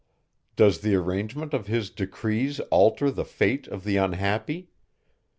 Does the arrangement of his decrees alter the fate of the unhappy?